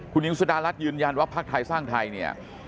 คุณหญิงสุดารัฐยืนยันว่าภักดิ์ไทยสร้างไทยเนี่ย